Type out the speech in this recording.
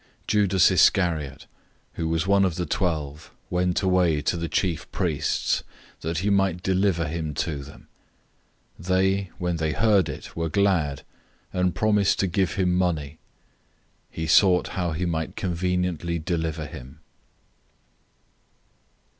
014:010 Judas Iscariot, who was one of the twelve, went away to the chief priests, that he might deliver him to them. 014:011 They, when they heard it, were glad, and promised to give him money. He sought how he might conveniently deliver him.